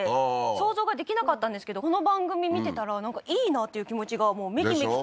想像ができなかったんですけどこの番組見てたらなんかいいなっていう気持ちがでしょ？